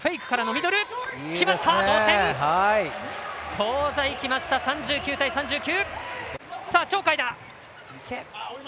香西、きました、３９対３９。